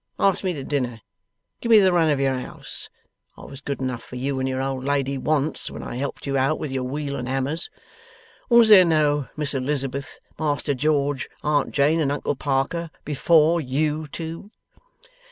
Ask me to dinner. Give me the run of your 'ouse. I was good enough for you and your old lady once, when I helped you out with your weal and hammers. Was there no Miss Elizabeth, Master George, Aunt Jane, and Uncle Parker, before YOU two?